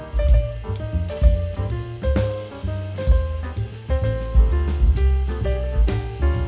gak mau jadi kayak gini sih